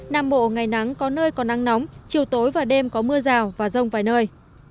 nam bộ ngày nắng có nơi có nắng nóng chiều tối và đêm có mưa rào và rông vài nơi